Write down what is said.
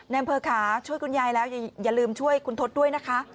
อำเภอขาช่วยคุณยายแล้วอย่าลืมช่วยคุณทศด้วยนะคะ